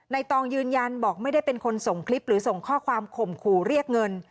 ตองยืนยันบอกไม่ได้เป็นคนส่งคลิปหรือส่งข้อความข่มขู่เรียกเงิน